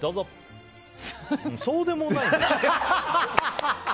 そうでもないな。